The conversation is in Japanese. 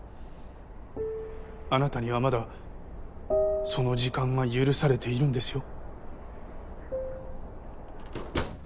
あなたにはまだその時間が許されているんですよ。